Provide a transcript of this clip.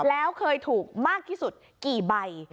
แล้วเคยถูกมากที่สุดกี่ใบ